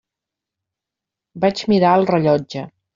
Vaig mirar el rellotge.